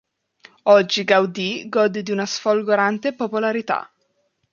Oggi Gaudí gode di una sfolgorante popolarità.